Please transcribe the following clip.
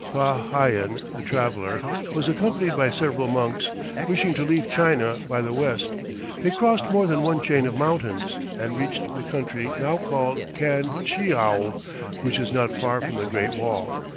Fa Hian, the traveller, was accompanied by several monks; wishing to leave China by the west, they crossed more than one chain of mountains, and reached the country now called Kan tcheou, which is not far from the great wall.